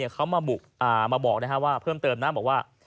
เขามาบอกนะฮะว่า